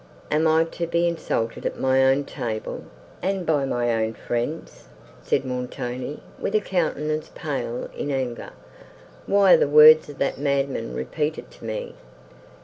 "Am I to be insulted at my own table, and by my own friends?" said Montoni, with a countenance pale in anger. "Why are the words of that madman repeated to me?"